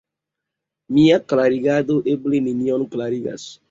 Mia klarigado eble nenion klarigas.